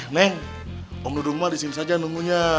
neng om dudung mah disini aja nunggunya